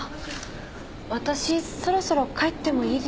私そろそろ帰ってもいいですか？